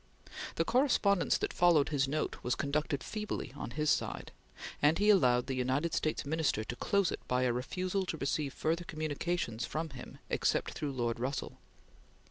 The correspondence that followed his note was conducted feebly on his side, and he allowed the United States Minister to close it by a refusal to receive further communications from him except through Lord Russell.